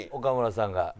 岡村さんが。